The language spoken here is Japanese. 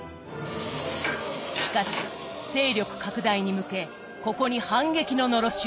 しかし勢力拡大に向けここに反撃ののろしを上げた。